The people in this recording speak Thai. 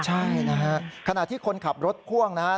ใช่นะฮะขณะที่คนขับรถพ่วงนะครับ